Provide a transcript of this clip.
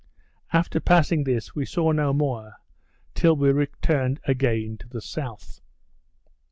After passing this, we saw no more, till we returned again to the south.